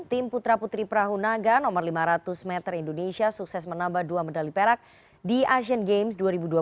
tim putra putri perahu naga nomor lima ratus meter indonesia sukses menambah dua medali perak di asian games dua ribu dua puluh tiga